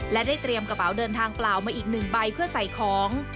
และได้เตรียมกระเป๋าเดินทางเปล่ามาอีก๑ใบเพื่อใส่ของ